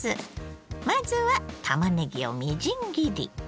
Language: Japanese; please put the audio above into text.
まずはたまねぎをみじん切り。